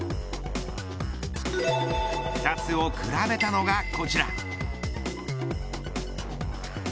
２つを比べたのがこちら。